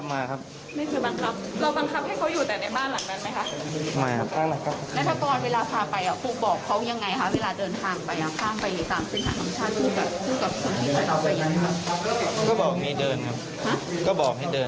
ไม่ไม่ได้ความคาบครับ